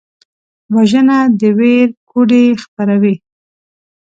وژنه د ویر کوډې خپروي